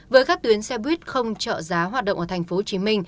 với các tuyến xe buýt không trợ giá hoạt động ở tp hcm